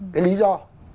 cái lý do